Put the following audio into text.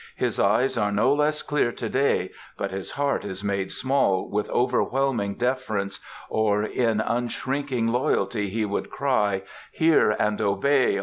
His eyes are no less clear to day, but his heart is made small with overwhelming deference or in unshrinking loyalty he would cry: 'Hear and obey!